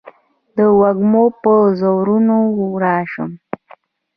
د وږمو په وزرونو راشم